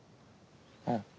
うん。